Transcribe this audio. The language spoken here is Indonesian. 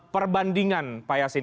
perbandingan pak yassin